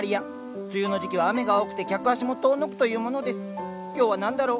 梅雨の時期は雨が多くて客足も遠のくというものです今日は何だろう。